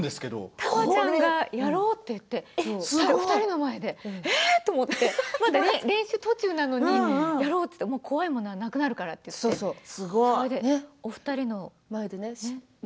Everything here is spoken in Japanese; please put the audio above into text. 玉ちゃんがやろうって言って２人の前でまだ練習途中なのにやろうって言って怖いものがなくなるからってお二人の前でね。